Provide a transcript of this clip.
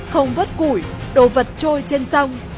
không vớt củi đồ vật trôi trên sông